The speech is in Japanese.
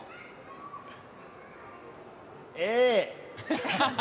ええ？